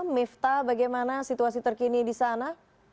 mifta bagaimana situasi terkini di sana